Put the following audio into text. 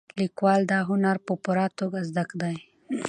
لیکوال دا هنر په پوره توګه زده دی.